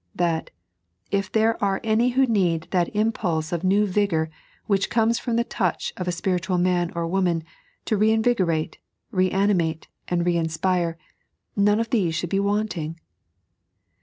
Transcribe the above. That, if there are any who need that impulse of new vigour which comes from the touch of a spiritual man or woman, to reinvigorate, reani mate, and reinspire, none of these should be wanting